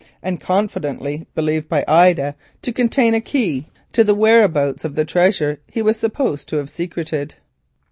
confidently believed by Ida to contain a key to the whereabouts of the treasure he was supposed to have secreted.